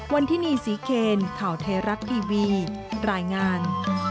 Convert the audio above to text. วันที่นี่ศรีเคนข่าวไทยรัฐทีวีรายงาน